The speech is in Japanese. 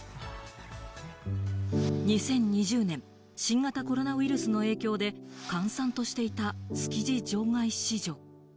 ２０２０年、新型コロナウイルスの影響で閑散としていた築地場外市場。